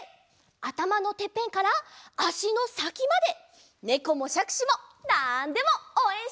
あたまのてっぺんからあしのさきまでねこもしゃくしもなんでもおうえんしますよ！